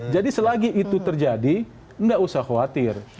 jadi selagi itu terjadi tidak usah khawatir